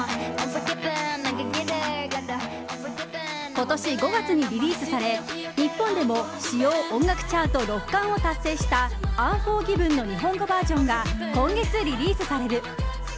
今年５月にリリースされ日本でも主要音楽チャート６冠を達成した「ＵＮＦＯＲＧＩＶＥＮ」の日本語バージョンが今月リリースされる。